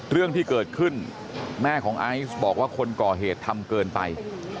เรื่องที่เกิดขึ้นแม่ของไอซ์บอกว่าคนก่อเหตุทำเกินไป